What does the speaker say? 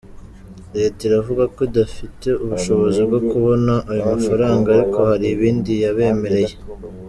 Leta iravuga ko idafite ubushobozi bwo kubona ayo mafaranga ariko hari ibindi yabemereye.